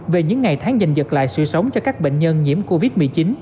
về những ngày tháng dành lại sự sống cho các bệnh nhân nhiễm covid một mươi chín